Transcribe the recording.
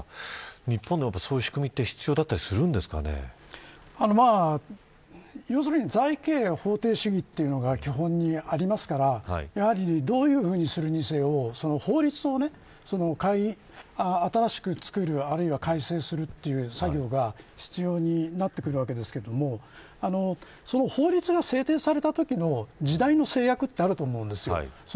日本でも、そういう仕組みって要するに罪刑法定主義がありますのでどういうふうにするにせよ法律を新しく作るあるいは改正するという作業が必要になってくるわけですけど法律が制定されたときの時代の制約ってあると思うんです。